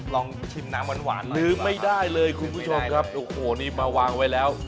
ลองชิมน้ำหวานหวานลืมไม่ได้เลยคุณผู้ชมครับโอ้โหนี่มาวางไว้แล้ว